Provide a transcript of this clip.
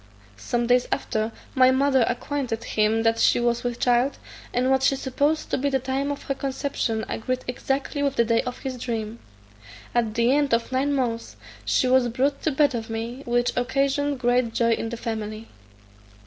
Some days after, my mother acquainted him that she was with child, and what she supposed to be the time of her conception agreed exactly with the day of his dream. At the end of nine months she was brought to bed of me; which occasioned great joy in the family.